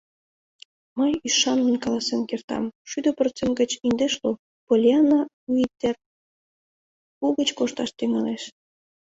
Мый ӱшанлын каласен кертам: шӱдӧ процент гыч индешлу — Поллианна Уиттиер угыч кошташ тӱҥалеш!